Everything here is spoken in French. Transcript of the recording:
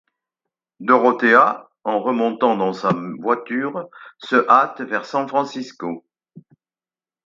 Dorothea en remontant dans sa voiture se hâte vers San Francisco.